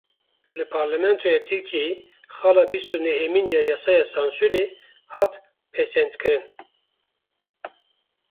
Li Parlamentoya Tirkiyeyê xala bîst û nehemîn ya yasaya sansûrê hat pesendkirin.